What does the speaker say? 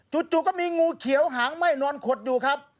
จู่ก็มีงูเขียวหางไหม้นอนขดอยู่ครับ